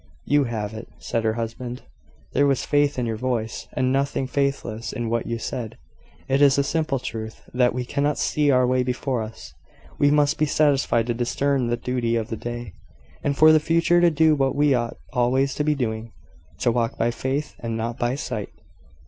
"You have it," said her husband. "There was faith in your voice, and nothing faithless in what you said. It is a simple truth, that we cannot see our way before us. We must be satisfied to discern the duty of the day, and for the future to do what we ought always to be doing `to walk by faith and not by sight.'